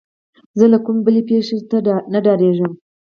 زه له کومې بلې پېښې نه ډارېدم.